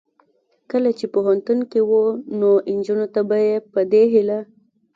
کله چې پوهنتون کې و نو نجونو ته به یې په دې هیله